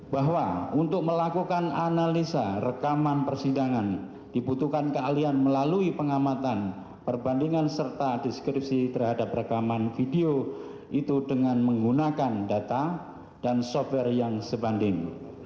bahwa untuk melakukan analisa rekaman persidangan dibutuhkan keahlian melalui pengamatan perbandingan serta deskripsi terhadap rekaman video itu dengan menggunakan data dan software yang sebanding